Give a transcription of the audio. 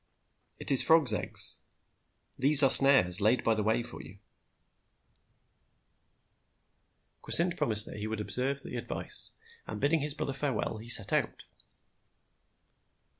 It is frog's eggs. These are snares laid by the way for you." Kwasynd promised that he would observe the advice, and bidding his brother farewell, he set out.